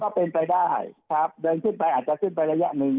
ก็เป็นไปได้ครับเดินขึ้นไปอาจจะขึ้นไประยะหนึ่ง